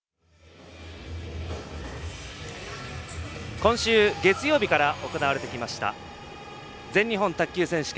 今週、月曜日から行われてきました全日本卓球選手権。